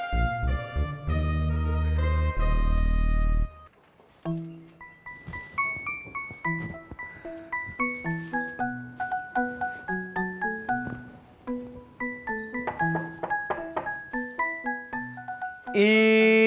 emangnya udah lari